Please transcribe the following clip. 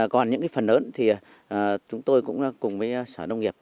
còn những cái phần lớn thì chúng tôi cũng cùng với sở nông nghiệp